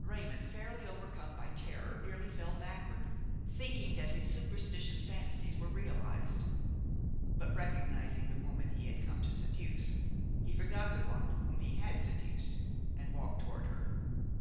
Raymon, fairly overcome by terror, nearly fell backward, thinking that his superstitious fancies were realized. But, recognizing the woman he had come to seduce, he forgot the one whom he had seduced and walked toward her.